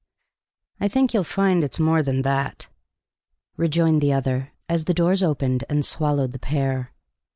"I think you'll find it's more than that," rejoined the other, as the doors opened and swallowed the pair.